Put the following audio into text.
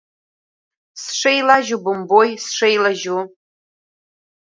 Сшеилажьу бымбои, сшеилажьу…